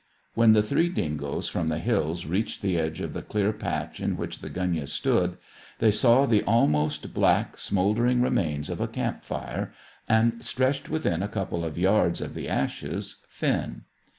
When the three dingoes from the hills reached the edge of the clear patch in which the gunyah stood, they saw the almost black, smouldering remains of a camp fire, and, stretched within a couple of yards of the ashes, Finn.